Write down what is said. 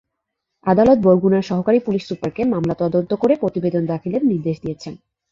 আদালত বরগুনার সহকারী পুলিশ সুপারকে মামলার তদন্ত করে প্রতিবেদন দাখিলের নির্দেশ দিয়েছেন।